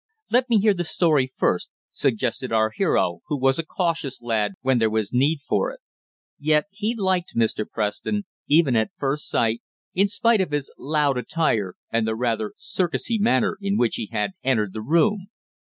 "Let me hear the story first," suggested our hero, who was a cautious lad when there was need for it. Yet he liked Mr. Preston, even at first sight, in spite of his "loud" attire, and the rather "circusy" manner in which he had entered the room.